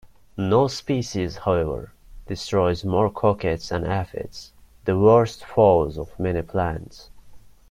No species, however, destroys more coccids and aphids, the worst foes of many plants.